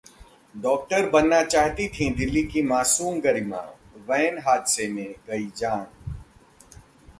doctor बनना चाहती थी दिल्ली की मासूम गरिमा, वैन हादसे में गई जान